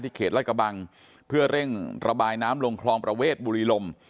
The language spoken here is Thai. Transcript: เขตไล่กระบังเพื่อเร่งระบายน้ำลงคลองประเวทบุรีลม